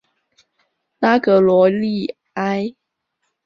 拉格罗利埃。